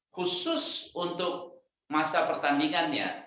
khusus untuk masa pertandingannya